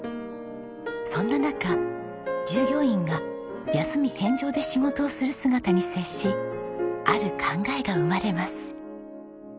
そんな中従業員が休み返上で仕事をする姿に接しある考えが生まれます。